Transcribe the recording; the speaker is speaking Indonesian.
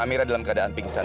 amira dalam keadaan pingsan